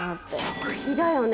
食費だよね。